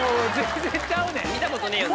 見たことねえよそれ。